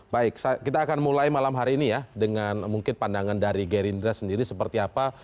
baik kita akan mulai malam hari ini ya dengan mungkin pandangan dari gerindra sendiri seperti apa